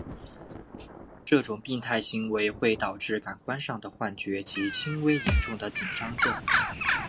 这种病态行为会导致感官上的幻觉及轻微至严重的紧张症。